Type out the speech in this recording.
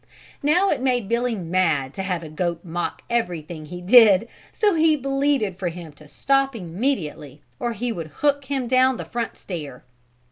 Now it made Billy mad to have a goat mock everything he did, so he bleated for him to stop immediately or he would hook him down the front stair.